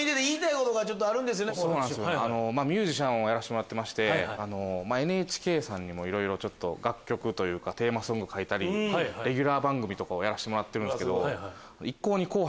ミュージシャンをやらせてもらってましてＮＨＫさんにも楽曲というかテーマソング書いたりレギュラー番組とかをやらせてもらってるんですけど。